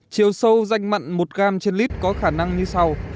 chiều sâu danh mặn một gram trên lít có khả năng như sau